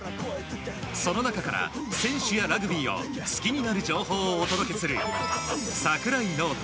その中から選手やラグビーを好きになる情報をお届けする櫻井ノート。